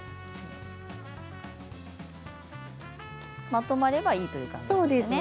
まとまればいいということですね。